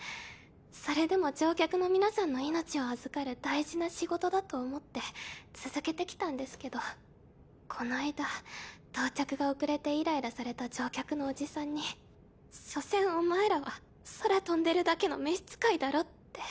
それでも乗客の皆さんの命を預かる大事な仕事だと思って続けてきたんですけどこの間到着が遅れてイライラされた乗客のおじさんに所詮お前らは空飛んでるだけの召し使いだろって。